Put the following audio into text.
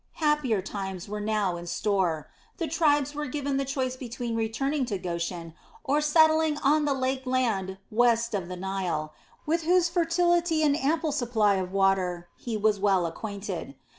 Happier times were now in store. The tribes were given the choice between returning to Goshen, or settling on the lake land west of the Nile, with whose fertility and ample supply of water he was well acquainted.